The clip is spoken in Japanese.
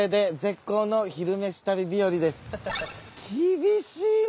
厳しいな。